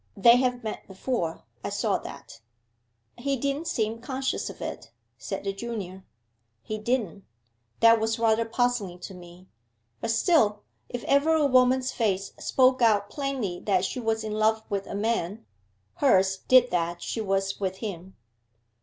They have met before; I saw that.' 'He didn't seem conscious of it,' said the junior. 'He didn't. That was rather puzzling to me. But still, if ever a woman's face spoke out plainly that she was in love with a man, hers did that she was with him.